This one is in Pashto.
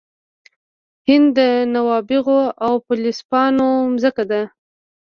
هند د نوابغو او فیلسوفانو مځکه ده.